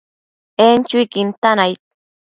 En chuiquin tan aid